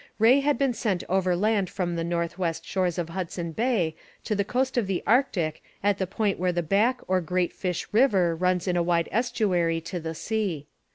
Rae had been sent overland from the north west shores of Hudson Bay to the coast of the Arctic at the point where the Back or Great Fish river runs in a wide estuary to the sea.